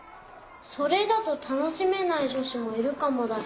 それだとたのしめないじょしもいるかもだし。